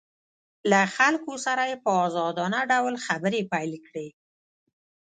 له خلکو سره یې په ازادانه ډول خبرې پیل کړې